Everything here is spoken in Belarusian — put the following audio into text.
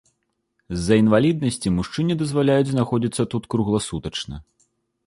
З-за інваліднасці мужчыне дазваляюць знаходзіцца тут кругласутачна.